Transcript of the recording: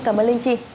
cảm ơn linh chi